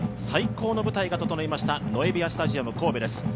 最高の舞台が整いました、ノエビアスタジアム神戸です。